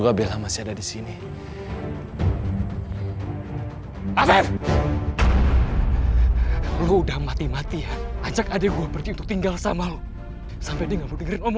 kemana ya nak udah malem resepi kamu yang sabar ya nak ya jangan nangis terus